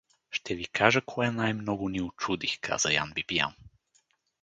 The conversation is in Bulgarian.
— Ще ви кажа кое най-много ни учуди — каза Ян Бибиян.